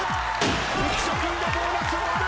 浮所君がボーナスを割る。